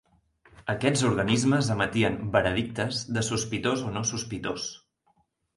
Aquests organismes emetien "veredictes" de sospitós o no sospitós.